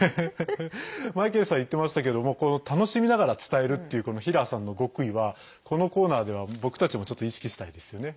マイケルさん言っていましたけれども楽しみながら伝えるっていうヒラーさんの極意はこのコーナーでは僕たちも意識したいですよね。